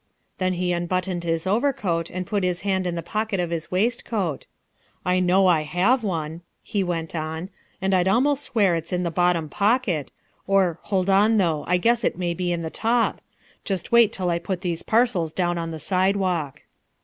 Then he unbuttoned his overcoat and put his hand in the pocket of his waistcoat. "I know I have one," he went on, "and I'd almost swear it's in the bottom pocket or, hold on, though, I guess it may be in the top just wait till I put these parcels down on the sidewalk."